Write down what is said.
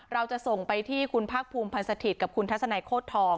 เราจะส่งไปที่คุณภาคภูมิพันธ์สถิตย์กับคุณทัศนัยโคตรทอง